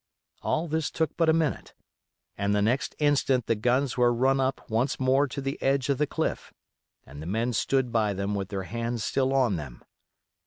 All this took but a minute, and the next instant the guns were run up once more to the edge of the cliff; and the men stood by them with their hands still on them.